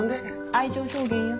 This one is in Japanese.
愛情表現や。